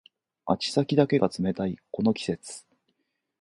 足先だけが冷たいこの季節